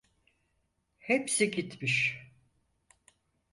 Hepsi gitmiş.